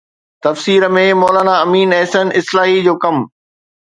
تفسير ۾ مولا نا امين احسن اصلاحي جو ڪم